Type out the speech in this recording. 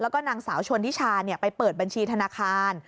แล้วก็นางสาวชนทิชาไปเปิดบัญชีธนาคาร